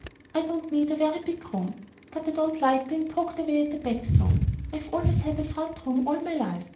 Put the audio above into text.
"I don't need a very big room; but I don't like being poked away at the back so. I've always had a front room all my life.